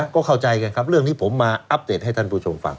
ก็เข้าใจกันครับเรื่องนี้ผมมาอัปเดตให้ท่านผู้ชมฟัง